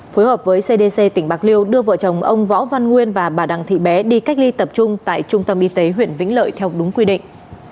phối hợp với cdc tỉnh bạc liêu đưa vợ chồng ông võ văn nguyên và bà đặng thị bé đi cách ly tập trung tại trung tâm y tế huyện vĩnh lợi theo đúng quy định